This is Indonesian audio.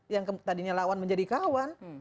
yang tadinya lawan menjadi kawan